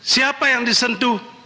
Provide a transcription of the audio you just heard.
siapa yang disentuh